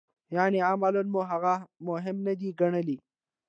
یعنې عملاً مو هغه مهم نه دی ګڼلی.